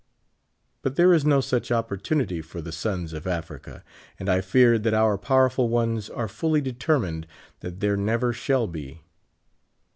But there is no such opportunity for the sons of Africa, and I fear that our powerful ones are fully determined that there never shall be.